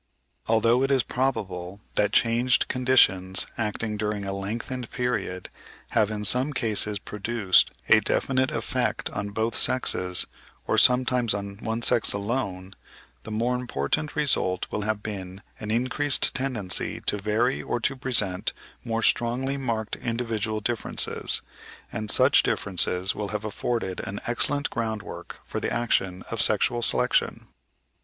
Although it is probable that changed conditions acting during a lengthened period have in some cases produced a definite effect on both sexes, or sometimes on one sex alone, the more important result will have been an increased tendency to vary or to present more strongly marked individual differences; and such differences will have afforded an excellent ground work for the action of sexual selection.